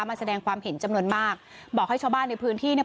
มาแสดงความเห็นจำนวนมากบอกให้ชาวบ้านในพื้นที่เนี่ย